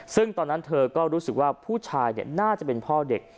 ซึ่งตอนนั้นเธอก็รู้สึกว่าผู้ชายน่าจะเป็นพ่อเด็ก